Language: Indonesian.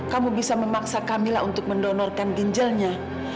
kamu bisa memaksa kamilah untuk mendonorkan ginjalnya